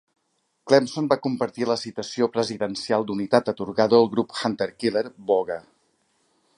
"Clemson" va compartir la Citació Presidencial d'Unitat atorgada al grup hunter-killer "Bogue".